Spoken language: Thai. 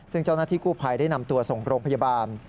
ซึ่งเจ้าหน้าที่กู้ภัยได้นำตัวส่งโรงพยาบาล